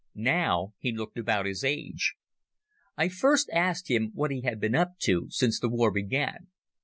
Now he looked about his age. I first asked him what he had been up to since the war began.